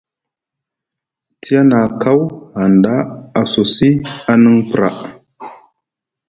Tiyana kaw hanɗa a sosi aniŋ pra.